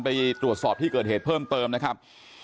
ไปตรวจสอบที่เกิดเหตุเพิ่มเติมนะครับ